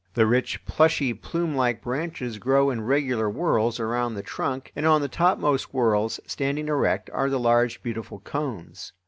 The rich plushy, plumelike branches grow in regular whorls around the trunk, and on the topmost whorls, standing erect, are the large, beautiful cones.